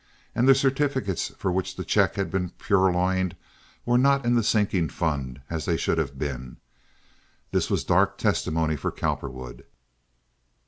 And the certificates for which the check had been purloined were not in the sinking fund as they should have been. This was dark testimony for Cowperwood.